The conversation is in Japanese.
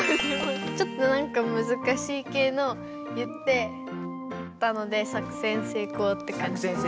ちょっとなんかむずかしい系のを言ってたので作戦成功ってかんじです。